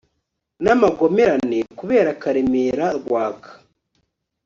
n'amagomerane kubera karemera rwaka